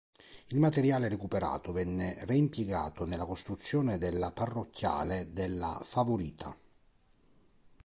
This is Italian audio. Il materiale recuperato venne reimpiegato nella costruzione della parrocchiale della Favorita.